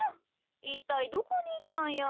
いったいどこにいったんや。